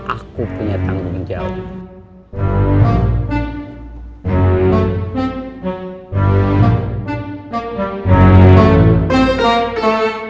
aku punya tanggung jawab